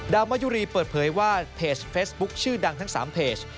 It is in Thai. มายุรีเปิดเผยว่าเพจเฟซบุ๊คชื่อดังทั้ง๓เพจ